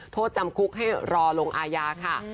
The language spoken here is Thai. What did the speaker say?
โทษจำคุกให้รอลงอาญาค่ะ